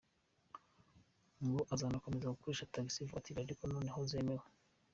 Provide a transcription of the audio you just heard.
Ngo azanakomeza gukoresha Taxi Voiture ariko noneho zemewe.